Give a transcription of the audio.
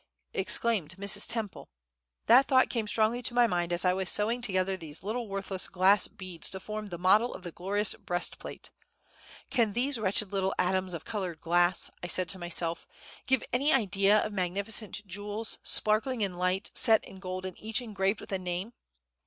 exclaimed Mrs. Temple. "That thought came strongly to my mind as I was sewing together these little worthless glass beads to form the model of the glorious breastplate. 'Can these wretched little atoms of colored glass,' I said to myself, 'give any idea of magnificent jewels, sparkling in light, set in gold, and each engraved with a name?